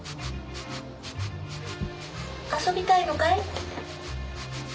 遊びたいのかい？